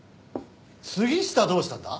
杉下どうしたんだ？